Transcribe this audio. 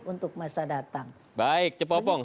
untuk masa datang baik cepobong